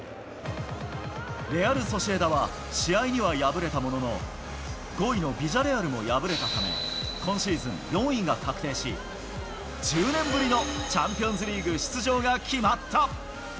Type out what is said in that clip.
レアル・ソシエダは、試合には敗れたものの、５位のビジャレアルも敗れたため、今シーズン４位が確定し、１０年ぶりのチャンピオンズリーグ出場が決まった。